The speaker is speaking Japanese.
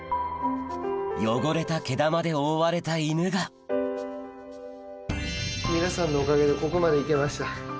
汚れた毛玉で覆われた犬が皆さんのおかげでここまで行けました。